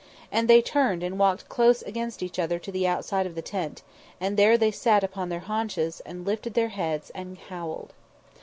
And they turned and walked close against each other to the outside of the tent, and there they sat upon their haunches and lifted their heads and howled.